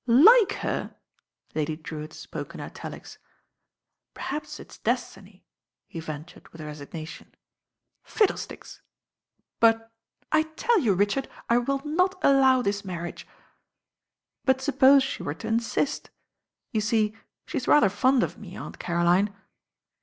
"Like her I" Lady Drewitt spoke in italics. "Perhaps it's destiny," he ventured with resigna tion. "Fiddlesticks." "But " "I tell you, Richard, I will not allow this mar riage." "But suppose she were to insist. You see, she's tather fond of me. Aunt Caroline."